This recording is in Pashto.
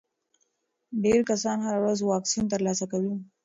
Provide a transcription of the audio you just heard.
ډېر کسان هره ورځ واکسین ترلاسه کوي.